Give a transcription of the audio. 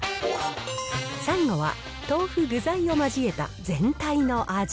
最後は豆腐、具材を交えた全体の味。